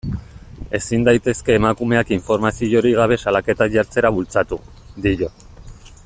Ezin daitezke emakumeak informaziorik gabe salaketak jartzera bultzatu, dio.